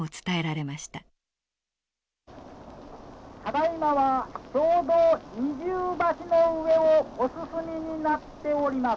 「ただいまはちょうど二重橋の上をお進みになっております。